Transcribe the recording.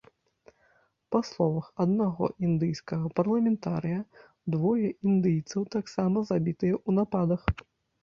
Па словах аднаго індыйскага парламентарыя, двое індыйцаў таксама забітыя ў нападах.